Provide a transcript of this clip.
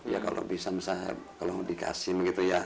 ya kalau bisa misalnya kalau dikasih gitu ya